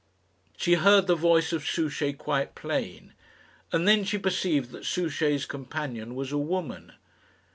She heard the voice of Souchey quite plain, and then she perceived that Souchey's companion was a woman.